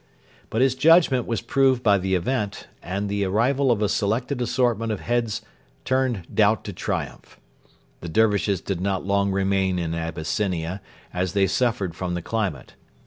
But his judgment was proved by the event, and the arrival of a selected assortment of heads turned doubt to triumph. The Dervishes did not long remain in Abyssinia, as they suffered from the climate.